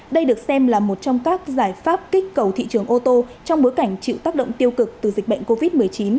đây được xem là một trong các giải pháp kích cầu thị trường ô tô trong bối cảnh chịu tác động tiêu cực từ dịch bệnh covid một mươi chín